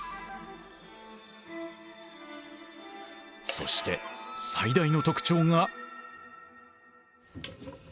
そして最大の特徴が。